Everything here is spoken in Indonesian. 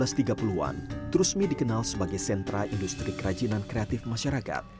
pada tahun seribu sembilan ratus tiga puluh an trusmi dikenal sebagai sentra industri kerajinan kreatif masyarakat